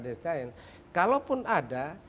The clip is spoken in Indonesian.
desain kalaupun ada